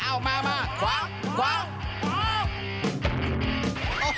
อ้าวมากว้าง